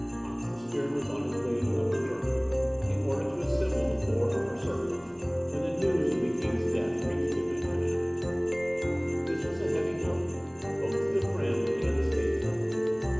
Oxenstiern was on his way to Upper Germany, in order to assemble the four Upper Circles, when the news of the king's death reached him at Hanau. This was a heavy blow, both to the friend and the statesman.